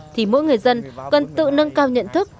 thì mỗi người dân cần tự nâng cao nhận thức